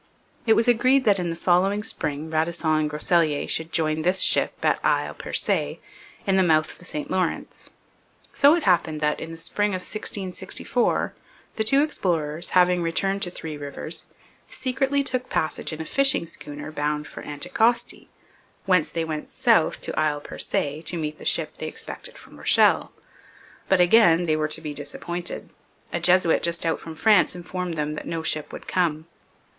It was agreed that in the following spring Radisson and Groseilliers should join this ship at Isle Percé at the mouth of the St Lawrence. So it happened that, in the spring of 1664, the two explorers, having returned to Three Rivers, secretly took passage in a fishing schooner bound for Anticosti, whence they went south to Isle Percé to meet the ship they expected from Rochelle. But again they were to be disappointed; a Jesuit just out from France informed them that no ship would come.